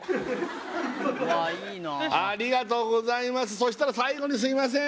そしたら最後にすいません